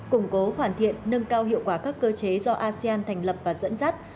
củng cố hoàn thiện nâng cao hiệu quả các cơ chế do asean thành lập và dẫn dắt